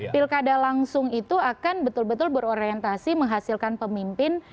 pilkada langsung itu akan betul betul berorientasi menghasilkan pemimpin